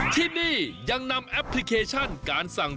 ทีมีอย่างนำแอปผิเคชันการสั่งนี้